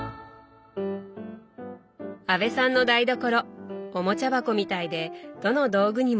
阿部さんの台所おもちゃ箱みたいでどの道具にも意味がありそう。